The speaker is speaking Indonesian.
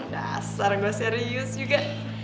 dasar gue serius juga